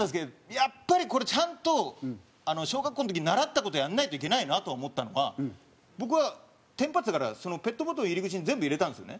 やっぱりこれちゃんと小学校の時習った事やんないといけないなと思ったのが僕はテンパってたからそのペットボトルの入り口に全部入れたんですよね。